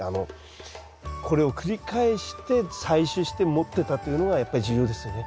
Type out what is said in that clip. これを繰り返して採種して持ってたというのがやっぱり重要ですよね。